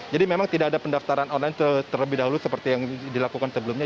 jadi memang tidak ada pendaftaran online terlebih dahulu seperti yang dilakukan sebelumnya